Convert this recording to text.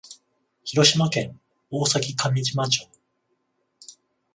広島県大崎上島町